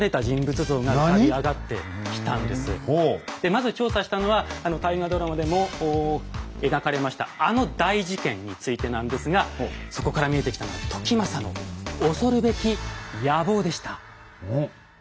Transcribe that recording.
まず調査したのは大河ドラマでも描かれましたあの大事件についてなんですがそこから見えてきたのは時政の恐るべき野望でした。